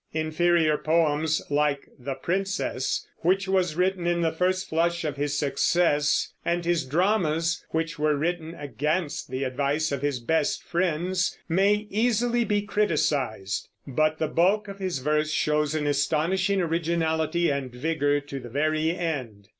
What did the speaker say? Inferior poems, like The Princess, which was written in the first flush of his success, and his dramas, which were written against the advice of his best friends, may easily be criticised; but the bulk of his verse shows an astonishing originality and vigor to the very end.